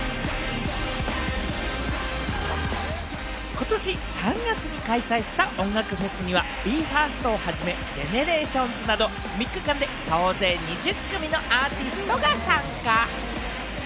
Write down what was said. ことし３月に開催した音楽フェスにはＢＥ：ＦＩＲＳＴをはじめＧＥＮＥＲＡＴＩＯＮＳなど、３日間で総勢２０組のアーティストが参加。